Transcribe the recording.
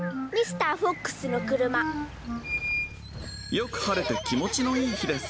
よく晴れて気持ちのいい日です。